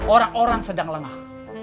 orang orang sedang lengah